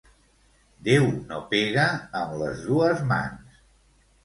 Déu no pega amb les dues mans.